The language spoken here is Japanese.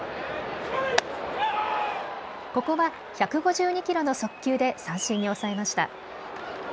ここは１５２キロの速球で三振に抑えました。